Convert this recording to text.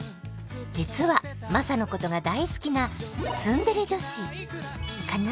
実はマサのことが大好きなツンデレ女子カナ？